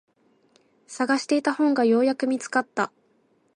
探していた本がようやく見つかった。